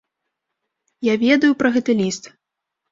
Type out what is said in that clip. Я ведаю пра гэты ліст!